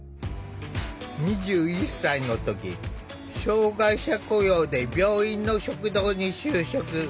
２１歳の時障害者雇用で病院の食堂に就職。